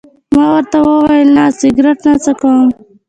ما ورته وویل: نه، سګرېټ نه څکوم.